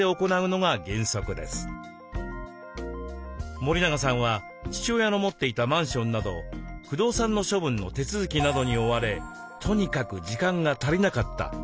森永さんは父親の持っていたマンションなど不動産の処分の手続きなどに追われとにかく時間が足りなかったといいます。